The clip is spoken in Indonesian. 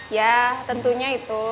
ya tentunya itu